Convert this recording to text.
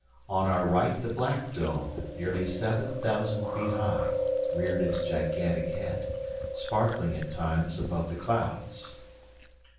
On our right the Black Dome, nearly seven thousand feet high, reared its gigantic head, sparkling at times above the clouds.